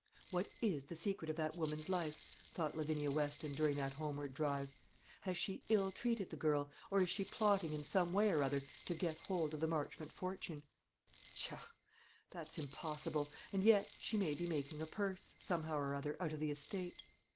"What is the secret of that woman's life?" thought Lavinia Weston during that homeward drive. "Has she ill treated the girl, or is she plotting in some way or other to get hold of the Marchmont fortune? Pshaw! that's impossible. And yet she may be making a purse, somehow or other, out of the estate.